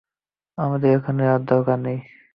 আমাদের এখানে এর দরকার নেই।